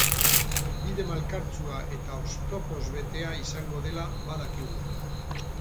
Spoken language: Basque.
Bide malkartsua eta oztopoz betea izango dela badakigu.